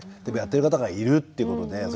でもやってる方がいるっていうことで。